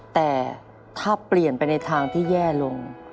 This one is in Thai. แต่ถ้าเปลี่ยนไปในทางที่แย่ลง